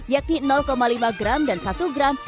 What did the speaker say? yakni lima gram dan satu gram